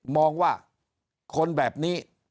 มองว่าคนแบบนี้